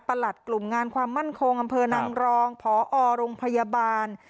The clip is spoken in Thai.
กลุ่มงานความมั่นคงอำเภอนางรองพอโรงพยาบาล